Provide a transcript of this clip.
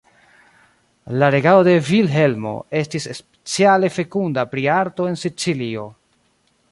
La regado de Vilhelmo estis speciale fekunda pri arto en Sicilio.